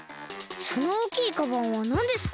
そのおおきいカバンはなんですか？